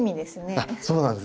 あっそうなんです。